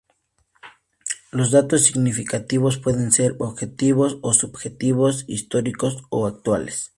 Los datos significativos pueden ser "objetivos" o "subjetivos", "históricos" o "actuales".